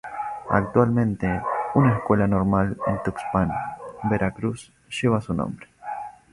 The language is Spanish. Actualmente, una escuela normal en Tuxpan, Veracruz lleva su nombre.